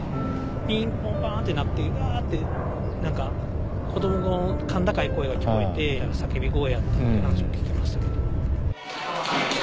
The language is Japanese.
ピンポンパンって鳴ってうわって何か子どもの甲高い声が聞こえてそしたら叫び声やったって何かそれを聞きましたけど。